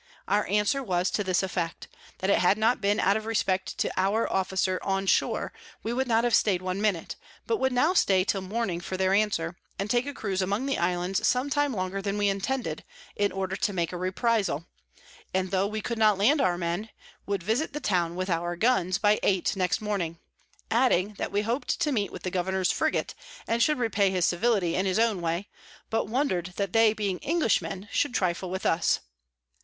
Our Answer was to this effect: That had it not been out of respect to our Officer on shore, we would not have staid one minute, but would now stay till Morning for their Answer, and take a Cruise among the Islands some time longer than we intended, in order to make a Reprisal; and tho we could not land our Men, would visit the Town with our Guns by eight next morning: adding, that we hop'd to meet with the Governor's Frigat, and should repay his Civility in his own way, but wonder'd that they being Englishmen should trifle with us.